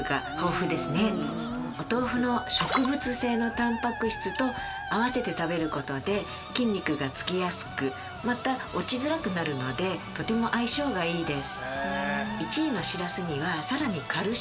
お豆腐の植物性のたんぱく質と併せて食べる事で筋肉がつきやすくまた落ちづらくなるのでとても相性がいいです。